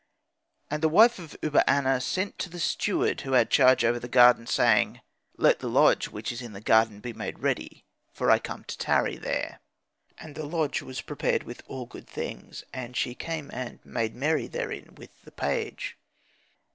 "And the wife of Uba aner sent to the steward who had charge over the garden, saying, 'Let the lodge which is in the garden be made ready, for I come to tarry there.' "And the lodge was prepared with all good things; and she came and made merry therein with the page.